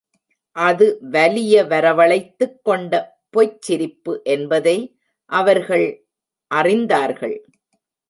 அது வலிய வரவழைத்துக் கொண்ட பொய்ச் சிரிப்பு என்பதை அவர்கள் அறிந்தார்கள்.